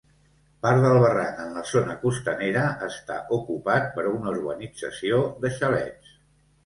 Part del barranc en la zona costanera està ocupat per una urbanització de xalets.